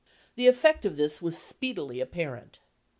The effect of this was speedily apparent.